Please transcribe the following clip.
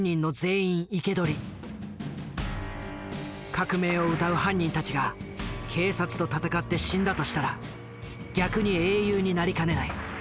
革命をうたう犯人たちが警察と戦って死んだとしたら逆に英雄になりかねない。